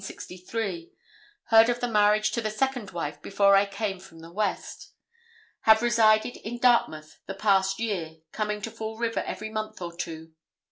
Heard of the marriage to the second wife before I came from the West. Have resided in Dartmouth the past year, coming to Fall River every month or two.